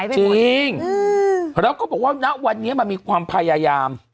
จริงแล้วก็บอกว่าณวันนี้มันมีความพยายาม